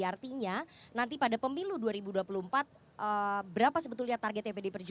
artinya nanti pada pemilu dua ribu dua puluh empat berapa sebetulnya targetnya pdi perjuangan